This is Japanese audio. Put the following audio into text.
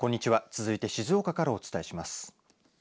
続いて静岡からお伝えします。